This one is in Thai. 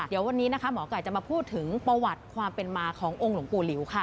เดี๋ยววันนี้นะคะหมอไก่จะมาพูดถึงประวัติความเป็นมาขององค์หลวงปู่หลิวค่ะ